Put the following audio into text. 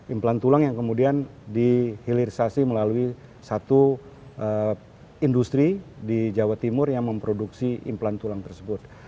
implan tulang yang kemudian dihilirisasi melalui satu industri di jawa timur yang memproduksi implan tulang tersebut